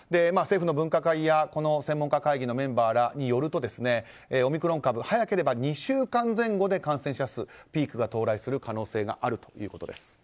政府の分科会やこの専門家会議のメンバーらによるとオミクロン株早ければ２週間前後で感染者数ピークが到来する可能性があるということです。